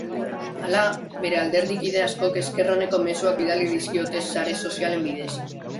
Hala, bere alderdikide askok esker oneko mezuak bidali dizkiote sare sozialen bidez.